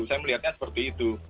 saya melihatnya seperti itu